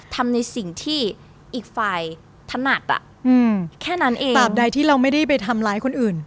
ทำในสิ่งที่อีกฝ่ายถนัดอ่ะอืมแค่นั้นเองตามใดที่เราไม่ได้ไปทำร้ายคนอื่น